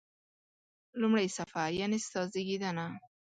لومړی صفحه: یعنی ستا زیږېدنه.